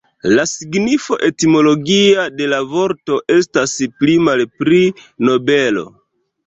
La signifo etimologia de la vorto estas pli malpli "nobelo".